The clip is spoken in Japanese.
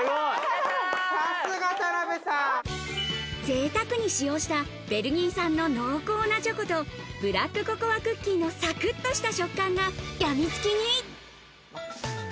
ぜいたくに使用したベルギー産の濃厚なチョコとブラックココアクッキーのサクッとした食感がやみつきに。